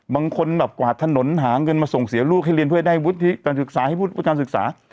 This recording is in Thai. บางคนแบบกวาดถนนหาเงินมาส่งเสียลูกให้เรียนเพื่อให้ได้วุฒิการศึกษาให้การศึกษา